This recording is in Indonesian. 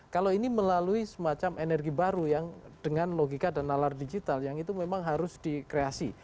kalau ini melalui semacam energi baru yang dengan logika dan nalar digital yang itu memang harus dikreasi